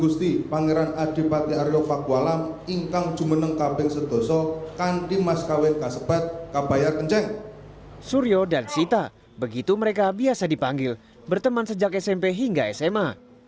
suryo dan sita begitu mereka biasa dipanggil berteman sejak smp hingga sma